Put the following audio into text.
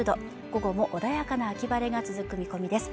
午後も穏やかな秋晴れが続く見込みです